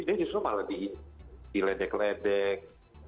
dia justru malah diledek ledek